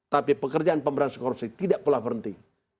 tapi pekerjaan pemberantasan korupsi tidak pula berhenti